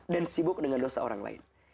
dan sibuk dengan dosa orang lain